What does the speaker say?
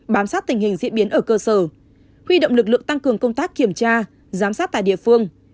bám sát tình hình diễn biến ở cơ sở huy động lực lượng tăng cường công tác kiểm tra giám sát tại địa phương